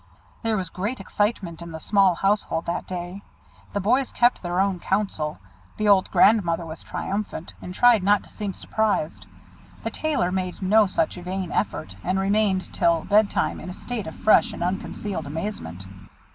There was great excitement in the small household that day. The boys kept their own counsel. The old Grandmother was triumphant, and tried not to seem surprised. The Tailor made no such vain effort, and remained till bed time in a state of fresh and unconcealed amazement.